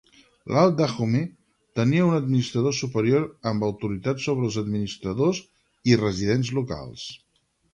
L'Alt Dahomey tenia un administrador superior amb autoritat sobre els administradors i residents locals.